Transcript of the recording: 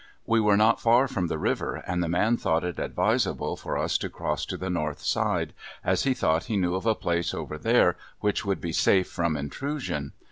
We were not far from the river, and the man thought it advisable for us to cross to the north side, as he thought he knew of a place over there which would be safe from intrusion.